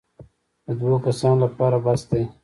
د دوو کسانو لپاره بس دی.